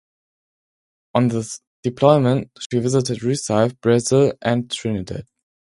On this deployment, she visited Recife, Brazil, and Trinidad.